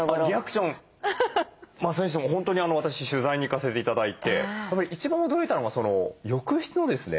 それにしても本当に私取材に行かせて頂いて一番驚いたのが浴室のですね